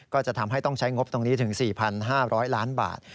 ก็จะทำให้ต้องใช้งบตรงนี้ถึง๔๕๐๐ล้านบาท